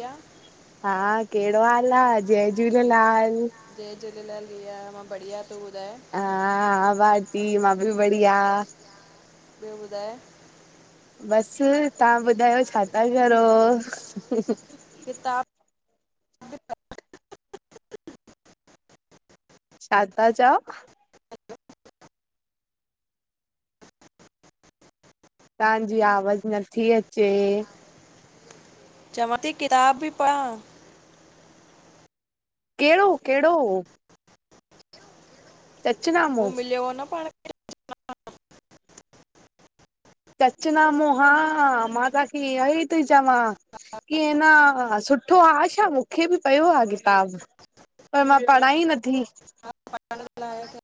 या। हा कहिड़ो हाल आ, जय झूलेलाल जय झूलेलाल भैया, मां बढ़िया तूं ॿुधाए? हा- हा, बाटी मां बि बढ़िया। ॿियो ॿुधाए? बसि, तहां ॿुधायो छा ता करो? किताब छा ता चओ? तहांजी आवाज़ नथी अचे। चवां थी किताब ती पढ़ा। कहिड़ो -कहिड़ो? हू चचनामो मिलियो उ न पाण सच नामो हा मां तहांखे इय ई थी चवां की न सु ठो हा छा मूंखे बि पियो आहे किताब पर मां पढ़ाई ई नथी। [unintelligible]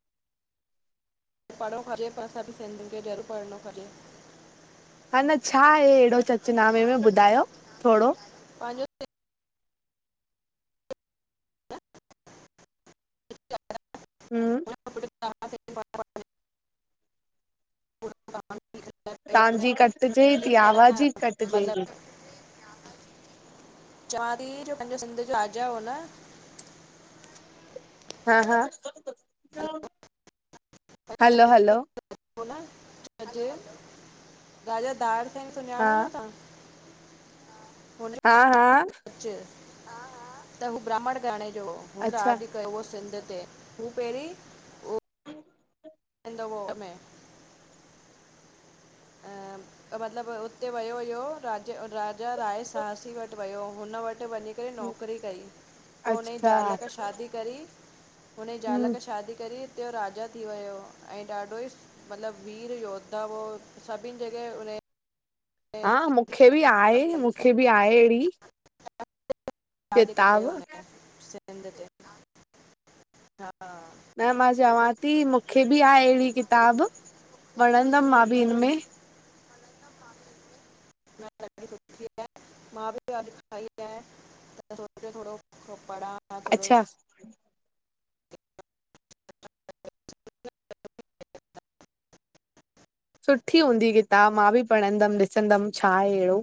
पढ़ण खपे पर सभु सिंधियुनि खे जरूर पढ़ण खपे। अ न छा आहे अहिड़ो सचनामे में ॿुधायो थोॾो? पांजो हम्म [unintelligible] पूरो [unintelligible] तहांजी कटिजे थी आवाज ई कटिजे थी। मतिलबु चवां थी ई जो पंहिंजो सिध जो राजा हो न हा हा हलो हलो होन हुनजे राजा दाड सीघं हा सुञाणो न तहां? हा हा त हू ब्राह्मण गराने जो हो अच्छा कयो सिंध ते, हू पहिरीं ह [inaudible] ह वक़्तौक़ में [inaudible] त मतिलबु उते वियो हुयो, राज राजा राय सहसी वटि वियो, हुन वटि वञी करे नौकिरी कई, पोइ हुन जी अच्छा ज़ाल क शादी करी हुनजे ज़ाल हम्म खे शादी करे उते राजा थी वियो, ऐं ॾाढो ई मतिलबु वीर योद्धा हुआ। सभिनि जॻह हुनजी हा मूंखे बि आहे, मूंखे बि आहे अहिड़ी। राॼ किताब कयो हिन सिंध ते। हा। न मां चवां थी, मूंखे बि आहे अहिड़ी किताब, पणंदमि मां बि हिनमें। ढी ख़ुशी आहे। मां बि अ खाई आहे सोच थो [inaudible] खपड़ा [inaudible] अच्छा सुठी हूंदी किताब, मां बि पढ़ंदमि ॾिसंदमि छा आहे अहिड़ो?